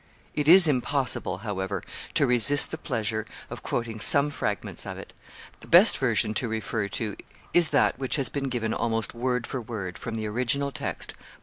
It is impossible, however, to resist the pleasure of quoting some fragments of it. The best version to refer to is that which has been given almost word for word, from the original text, by M.